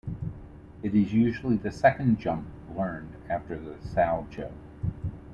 It is usually the second jump learned after the Salchow.